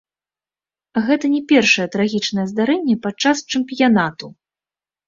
Гэта не першае трагічнае здарэнне падчас чэмпіянату.